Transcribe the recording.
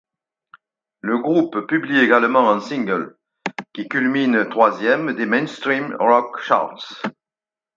Le groupe publie également ' en single, qui culmine troisième des Mainstream Rock Charts.